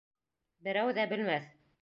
Берәү ҙә белмәҫ.